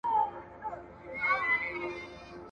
• د بل په پرتوگ کونه نه پټېږي.